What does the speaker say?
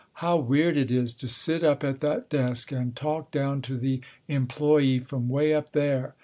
How weird it is to sit up at that desk and talk down to the employee from way up there.